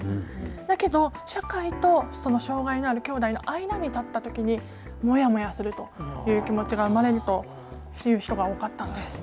だけど社会とその障害のある兄弟の間に立ったときにもやもやするという気持ちが生まれるという人が多かったんです。